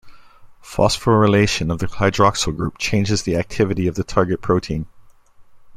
Phosphorylation of the hydroxyl group changes the activity of the target protein.